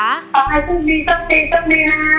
พร้อมให้พรุ่งนี้จับดีจับดีนะ